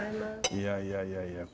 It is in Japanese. いやいやいやいや。